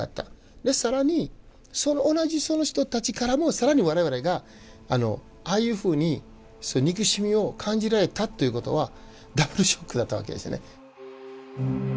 でさらにその同じその人たちからもさらに我々がああいうふうにそういう憎しみを感じられたということはダブルショックだったわけですよね。